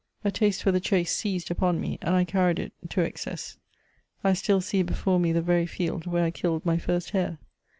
A taste for the chase seized upon me, and I carried it to excess ; I still see before me the very ield where I killed my first hare.